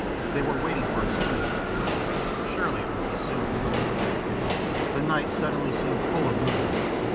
They were waiting for a scream.... Surely it would be soon. The night suddenly seemed full of movement.